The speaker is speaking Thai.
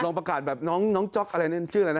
ประกาศแบบน้องจ๊อกอะไรเนี่ยชื่ออะไรนะ